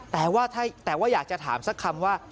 แต่ว่าอยากจะถามสักคำว่า